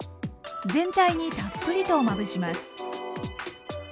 全体にたっぷりとまぶします。